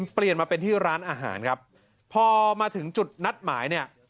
เปลี่ยนมาเป็นที่ร้านอาหารครับพอมาถึงจุดนัดหมายเนี่ย